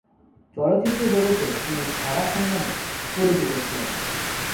চলচ্চিত্র জগতে তিনি সারা খান নামে পরিচিত ছিলেন।